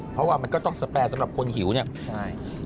เพราะว่ามันก็ต้องสแปรสำหรับคนหิวเนี่ยใช่